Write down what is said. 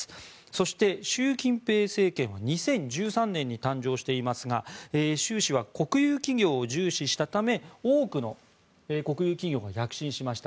そして、習近平政権が２０１３年に誕生していますが習氏は国有企業を重視したため多くの国有企業が躍進しました。